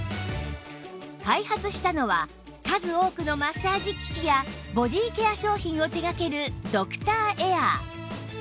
開発したのは数多くのマッサージ機器やボディーケア商品を手掛けるドクターエア